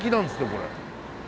これ。